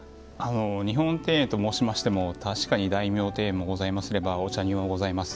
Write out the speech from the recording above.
日本庭園と申しましても確かに大名庭園もございますればお茶庭もございます。